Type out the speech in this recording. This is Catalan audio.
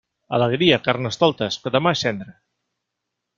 Alegria, Carnestoltes, que demà és cendra.